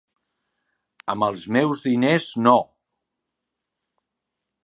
Amb els meus diners no!